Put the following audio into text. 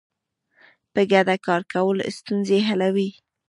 په ګډه کار کول ستونزې حلوي.